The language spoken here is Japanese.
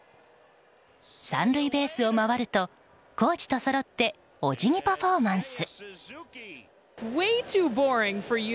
３塁ベースを回るとコーチとそろってお辞儀パフォーマンス。